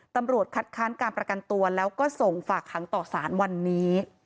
ตำรวจคัดค้านการประกันตัวแล้วก็ส่งฝากขังต่อสารวันนี้